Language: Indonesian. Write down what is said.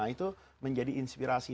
itu menjadi inspirasi